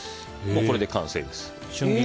これで完成です。